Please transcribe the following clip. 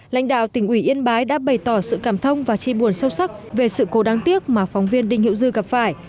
lãnh đạo tỉnh ủy yên bái đã bày tỏ sự cảm thông và chi buồn sâu sắc về sự cố đáng tiếc mà phóng viên đinh hiệu dư gặp phải